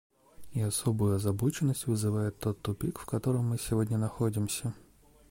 И особую озабоченность вызывает тот тупик, в котором мы сегодня находимся.